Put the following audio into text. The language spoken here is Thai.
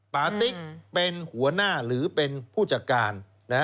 ติ๊กเป็นหัวหน้าหรือเป็นผู้จัดการ